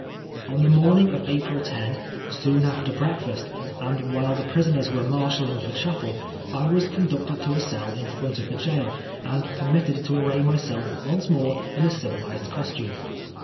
On the morning of April 10, soon after breakfast, and while the prisoners were marshalling for chapel, I was conducted to a cell in front of the gaol, and per mitted to array myself once more in a civilised cos tume.